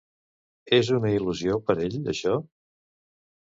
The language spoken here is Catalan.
És una il·lusió per ell això?